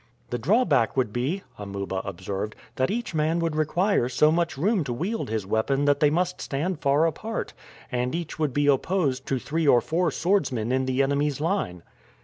"The drawback would be," Amuba observed, "that each man would require so much room to wield his weapon that they must stand far apart, and each would be opposed to three or four swordsmen in the enemy's line."